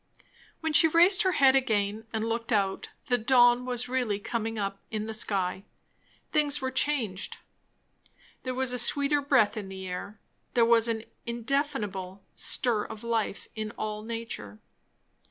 When she raised her head again and looked out, the dawn was really coming up in the sky. Things were changed. There was a sweeter breath in the air; there was an indefinable stir of life in all nature.